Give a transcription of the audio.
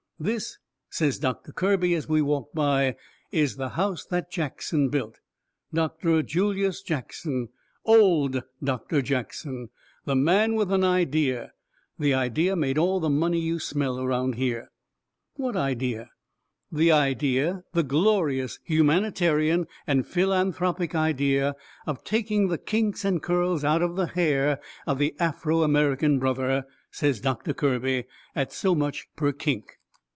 "This," says Doctor Kirby, as we walked by, "is the house that Jackson built. Dr. Julius Jackson OLD Doctor Jackson, the man with an idea! The idea made all the money you smell around here." "What idea?" "The idea the glorious humanitarian and philanthropic idea of taking the kinks and curls out of the hair of the Afro American brother," says Doctor Kirby, "at so much per kink."